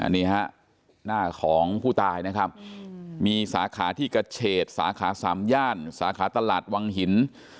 นี่ฮะหน้าของผู้ตายนะครับมีสาขาที่กระเฉดสาขาสามย่านสาขาตลาดวังหิน